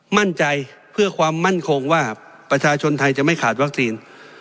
มั่นใจเพื่อความมั่นคงว่าประชาชนไทยจะไม่ขาดวัคซีน